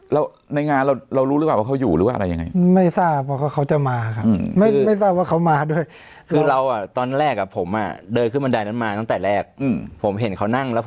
แล้วในงานเรารู้หรือเปล่าว่าเขาอยู่หรือว่าอะไรยังไง